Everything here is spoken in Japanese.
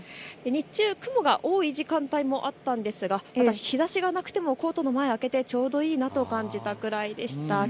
日中、雲が多い時間帯もあったんですが私、日ざしがなくてもコートの前を開けてちょうどいいなと感じたくらいでした。